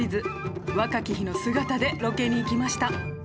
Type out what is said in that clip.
若き日の姿でロケに行きました。